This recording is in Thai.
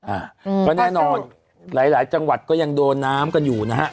อะก็แน่นอนหลายจังหวัดก็ยังโดนน้ำกันอยู่นะฮะ